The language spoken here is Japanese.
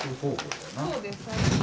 そうです。